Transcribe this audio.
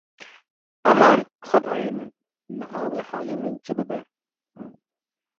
Eman, Xwedayê min! Niha wê halê min çi bibe?